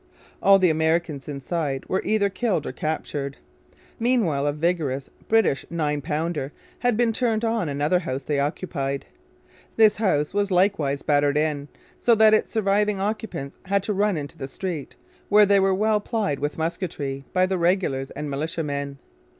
All the Americans inside were either killed or captured. Meanwhile a vigorous British nine pounder had been turned on another house they occupied. This house was likewise battered in, so that its surviving occupants had to run into the street, where they were well plied with musketry by the regulars and militiamen.